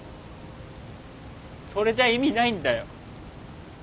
それじゃ意味ないんだよ。